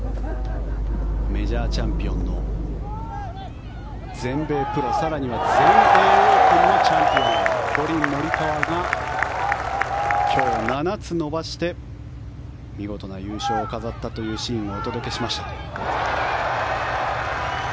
メジャーチャンピオンの全米プロ更には全英オープンのチャンピオンコリン・モリカワが今日７つ伸ばして見事な優勝を飾ったシーンをお届けしました。